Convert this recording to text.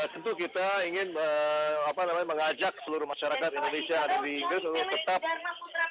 tentu kita ingin apa namanya mengajak seluruh masyarakat indonesia yang ada di inggris untuk tetap apa namanya berupaya untuk memajukan kemerdekaan ri